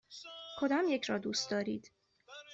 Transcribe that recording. کدامیک را دوست دارید؟